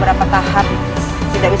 akulah lawanmu bagus